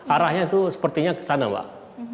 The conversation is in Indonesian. arahnya itu sepertinya ke sana pak